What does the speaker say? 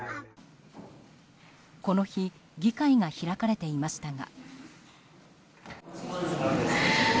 この日議会が開かれていましたが。